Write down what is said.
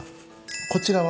こちらは？